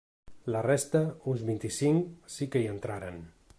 La resta, uns vint-i-cinc, sí que hi entraren.